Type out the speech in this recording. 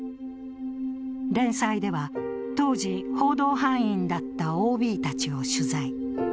連載では当時、報道班員だったＯＢたちを取材。